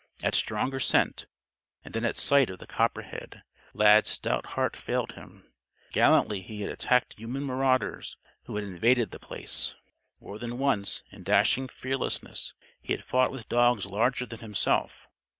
At stronger scent, and then at sight of the copperhead, Lad's stout heart failed him. Gallantly had he attacked human marauders who had invaded The Place. More than once, in dashing fearlessness, he had fought with dogs larger than himself.